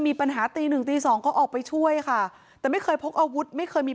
มีปัญหาตีหนึ่งตีสองก็ออกไปช่วยค่ะแต่ไม่เคยพกอาวุธไม่เคยมี